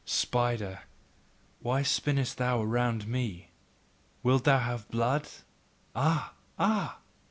Spider, why spinnest thou around me? Wilt thou have blood? Ah! Ah!